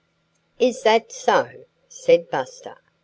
"Is that so?" said Buster.